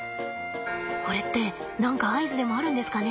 これって何か合図でもあるんですかね？